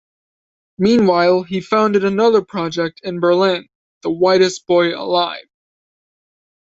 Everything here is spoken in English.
Meanwhile, he founded another project in Berlin, The Whitest Boy Alive.